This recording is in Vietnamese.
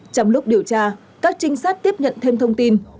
trong lúc điều tra các trinh sát tiếp nhận thêm thông tin